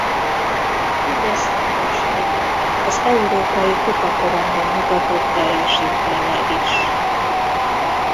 Mindezt elősegítette az európai kupaporondon mutatott teljesítménye is.